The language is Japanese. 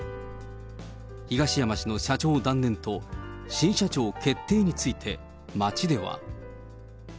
東山氏の社長断念と、新社長決定について、街では。